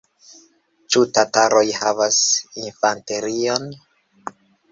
Ĉu tataroj havas infanterion?